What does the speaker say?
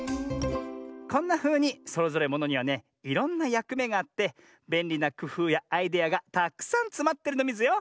こんなふうにそれぞれものにはねいろんなやくめがあってべんりなくふうやアイデアがたくさんつまってるのミズよ！